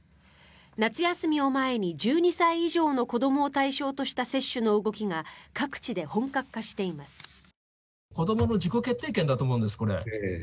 夏休みを前に１２歳以上の子どもを対象とした接種の動きが各地で本格化しています。